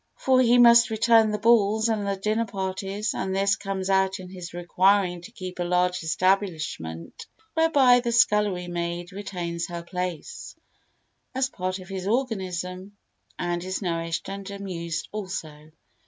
For he must return the balls and the dinner parties and this comes out in his requiring to keep a large establishment whereby the scullery maid retains her place as part of his organism and is nourished and amused also.